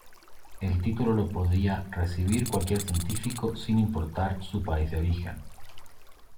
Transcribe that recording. El título lo podía recibir cualquier científico sin importar su país de origen.